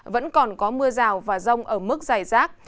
vẫn còn có mưa rào và rông ở mức dài rác